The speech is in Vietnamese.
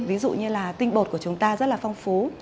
ví dụ như là tinh bột của chúng ta rất là phong phú